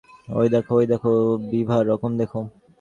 ওই দেখো, ওই দেখো বিভার রকম দেখো।